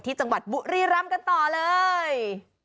จังหวัดบุรีรำกันต่อเลย